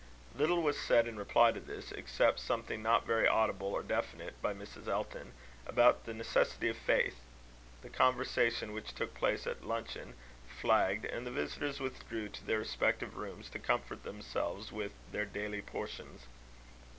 Little was said in reply to this, except something not very audible or definite, by Mrs. Elton, about the necessity of faith. The conversation, which took place at luncheon, flagged, and the visitors withdrew to their respective rooms, to comfort themselves with their Daily Portions.